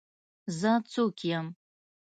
زه څوک يم.